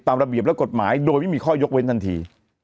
ระเบียบและกฎหมายโดยไม่มีข้อยกเว้นทันที